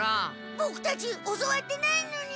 ボクたち教わってないのに！